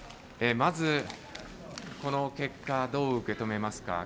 まず、この結果どう受けとめますか？